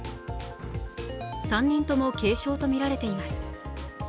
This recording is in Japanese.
３人とも軽傷とみられています。